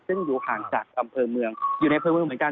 ซึ่งอยู่ห่างจากอำเภอเมืองอยู่ในอำเภอเมืองเหมือนกัน